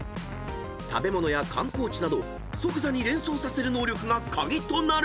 ［食べ物や観光地など即座に連想させる能力が鍵となる］